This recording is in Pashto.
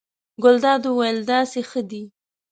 ګلداد وویل: داسې ښه دی.